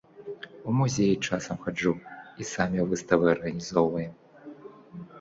У музеі часам хаджу і самі выставы арганізоўваем.